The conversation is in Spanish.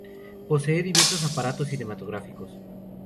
Posee diversos aparatos cinematográficos.